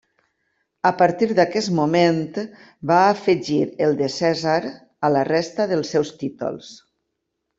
A partir d'aquest moment va afegir el de Cèsar a la resta dels seus títols.